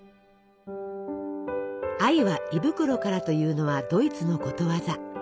「愛は胃袋から」というのはドイツのことわざ。